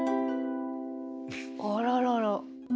あららら。